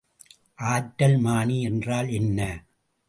ஆற்றல்மானி என்றால் என்ன?